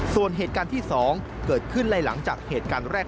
ส่วนเหตุการณ์ที่๒เกิดขึ้นและหลังจากเหตุการณ์แรก